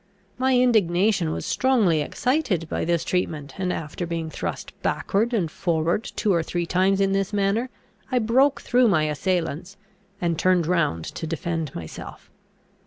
My indignation was strongly excited by this treatment; and, after being thrust backward and forward two or three times in this manner, I broke through my assailants, and turned round to defend myself.